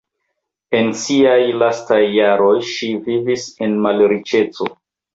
En siaj lastaj jaroj ŝi vivis en malriĉeco.